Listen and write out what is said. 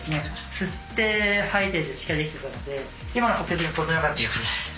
吸って吐いてってしっかりできてたので今のとてもよかったです。